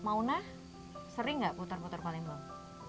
mauna sering nggak putar putar palembang